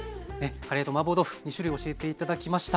カレーとマーボー豆腐２種類教えて頂きました。